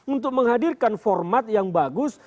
untuk menghadirkan format yang bagus